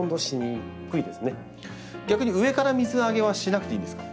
逆に上から水あげはしなくていいんですか？